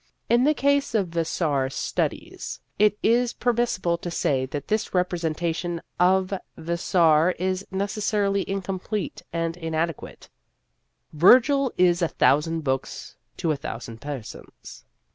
In the case of Vassar Studies it is per missible to say that this representation of Vassar is necessarily incomplete and in adequate. " Virgil is a thousand books to a thousand persons."